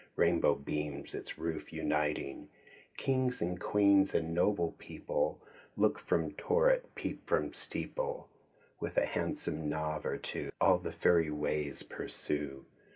Rainbow beams its roof uniting. Kings and queens and noble people Look from turret, peep from steeple. With a handsome knave or two All the fairy ways pursue.